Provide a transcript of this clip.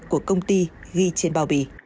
của công ty ghi trên bào bì